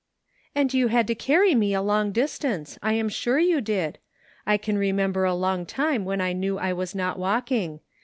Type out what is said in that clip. " And you had to carry me a long distance, I am sure you did. I can remember a long time when I know I was not walking.